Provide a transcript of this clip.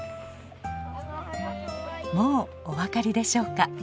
もうお分かりでしょうか。